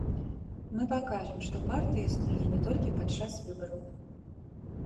Мы пакажам, што партыя існуе не толькі падчас выбараў.